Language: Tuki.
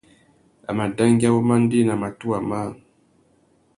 A mà dangüia wumandēna matuwa mâā.